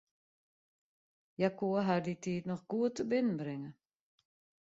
Hja koe har dy tiid noch goed tebinnenbringe.